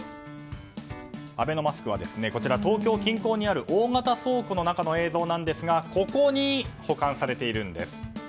アベノマスクは東京近郊にある大型倉庫の映像なんですがここに保管されているんです。